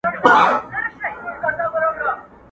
مار دي په لستوڼي کي آدم ته ور وستلی دی .!